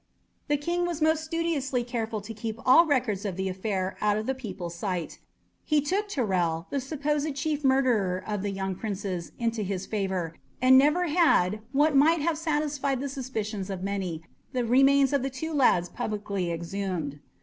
The King was most studiously careful to keep all records of the affair out of the people's sight; he took Tyrrell, the supposed chief murderer of the young princes, into his favour, and never had, what might have satisfied the suspicions of many, the remains of the two lads publicly exhumed.